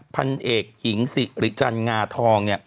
พันเอกหญิงสิริจันงาทอง